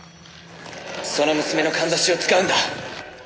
・その娘のかんざしを使うんだ！